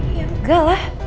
ya enggak lah